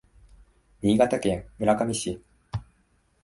新潟県村上市